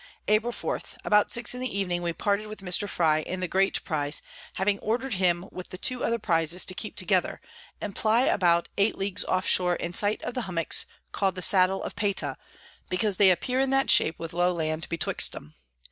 April 4. About six in the Evening we parted with Mr. Frye in the great Prize, having order'd him with the two other Prizes to keep together, and ply about 8 Ls. off shore in sight of the Hummocks call'd the Saddle of Payta, because they appear in that shape with low Land betwixt 'em.